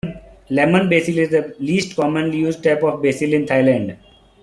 Lemon basil is the least commonly used type of basil in Thailand.